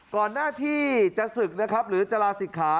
ก่อนหน้าที่จะศึกนะครับหรือจะลาศิกขา